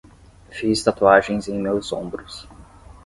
Fiz tatuagens em meus ombros